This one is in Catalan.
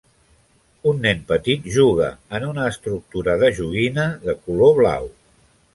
Un nen petit juga en una estructura de joguina de color blau